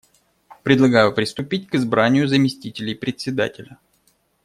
Предлагаю приступить к избранию заместителей Председателя.